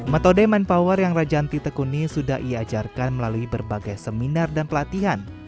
metode mind power yang raja yanti tekuni sudah iajarkan melalui berbagai seminar dan pelatihan